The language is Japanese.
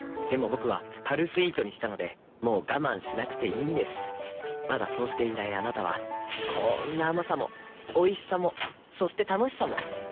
僕は「パルスイート」にしたのでもう我慢しなくていいんですまだそうしていないあなたはこんな甘さもおいしさもそして楽しさもあちっ。